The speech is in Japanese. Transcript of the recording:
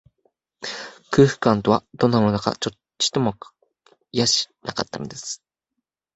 空腹感とは、どんなものだか、ちっともわかっていやしなかったのです